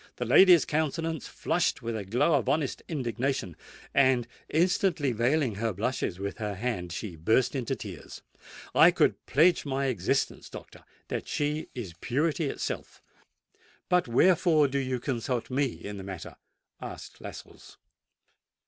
The lady's countenance flushed with a glow of honest indignation; and, instantly veiling her blushes with her hand, she burst into tears. I could pledge my existence, doctor, that she is purity itself." "But wherefore do you consult me in the matter?" asked Lascelles.